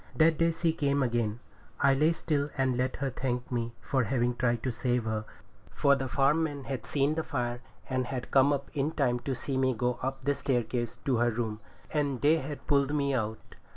That day she came again. I lay still and let her thank me for having tried to save her; for the farm men had seen the fire, and had come up in time to see me go up the staircase to her room, and they had pulled me out.